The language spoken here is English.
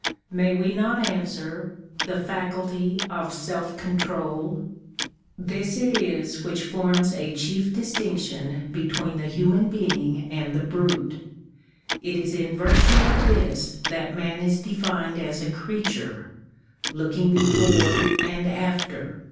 May we not answer — the faculty of self control ? This it is which forms a chief distinction between the human being and the brute. It is in virtue of this that man is defined as a creature " looking before and after."